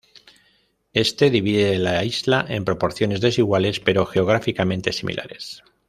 Éste divide la isla en proporciones desiguales, pero geográficamente similares.